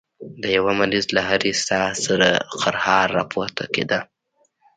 د يوه مريض له هرې ساه سره خرهار راپورته کېده.